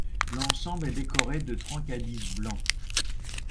L'ensemble est décoré de Trencadis blanc.